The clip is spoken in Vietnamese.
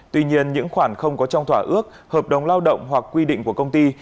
tuy nhiên những khoản không có trong thỏa ước hợp đồng lao động hoặc quy định của công ty